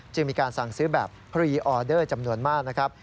จึงมีการสั่งซื้อแบบพรีออเดอร์จำนวนมากนะครับ